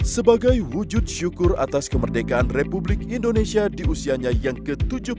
sebagai wujud syukur atas kemerdekaan republik indonesia di usianya yang ke tujuh puluh tujuh